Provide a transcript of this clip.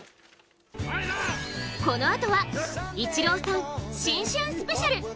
このあとはイチローさん新春スペシャル！